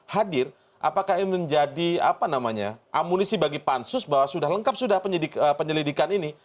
hadir apakah ini menjadi amunisi bagi pansus bahwa sudah lengkap sudah penyelidikan ini